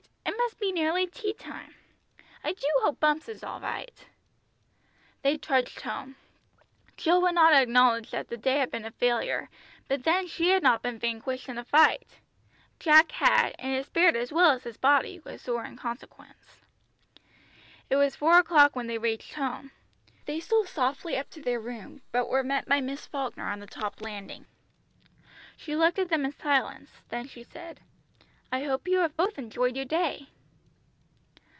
It must be nearly tea time. I do hope Bumps is all right!" They trudged home. Jill would not acknowledge that the day had been a failure, but then she had not been vanquished in a fight. Jack had, and his spirit as well as his body was sore in consequence. It was four o'clock when they reached home. They stole softly up stairs, but were met by Miss Falkner on the top landing. She looked at them in silence, then she said "I hope you have both enjoyed your day."